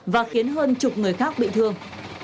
và khiến hơn chục người khác bị thương